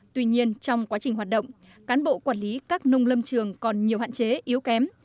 tuy nhiên trong quá trình hoạt động cán bộ quản lý các nông lâm trường còn nhiều hạn chế yếu kém